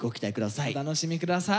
お楽しみ下さい。